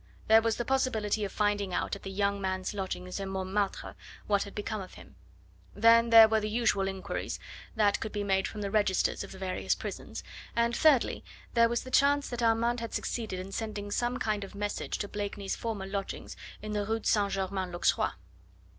There was the possibility of finding out at the young man's lodgings in Montmartre what had become of him; then there were the usual inquiries that could be made from the registers of the various prisons; and, thirdly, there was the chance that Armand had succeeded in sending some kind of message to Blakeney's former lodgings in the Rue St. Germain l'Auxerrois.